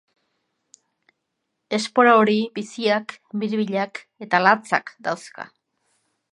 Espora hori biziak, biribilak eta latzak dauzka.